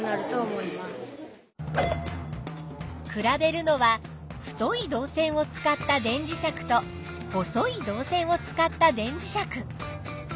比べるのは太い導線を使った電磁石と細い導線を使った電磁石。